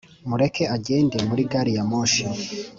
mureke agende muri gari ya moshi.